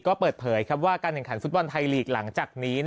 ก็เปิดเผยว่าการแข่งขันฟุตบอลไทยลีกหลังจากนี้